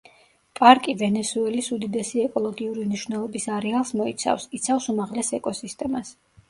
პარკი ვენესუელის უდიდესი ეკოლოგიური მნიშვნელობის არეალს მოიცავს, იცავს უმაღლეს ეკოსისტემას.